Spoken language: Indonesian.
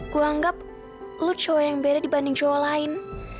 gue anggap lo cowok yang beda dibanding cowok lain